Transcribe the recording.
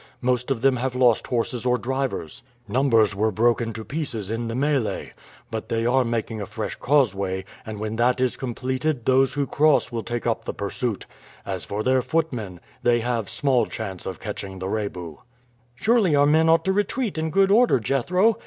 Most of them have lost horses or drivers. Numbers were broken to pieces in the mêlée. But they are making a fresh causeway, and when that is completed those who cross will take up the pursuit. As for their footmen, they have small chance of catching the Rebu." "Surely our men ought to retreat in good order, Jethro.